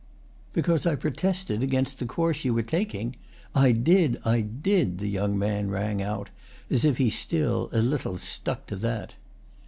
"Because I protested against the course you were taking? I did, I did!" the young man rang out, as if he still, a little, stuck to that.